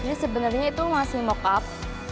ini sebenarnya itu masih mock up